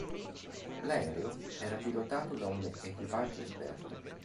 L'aereo era pilotato da un equipaggio esperto.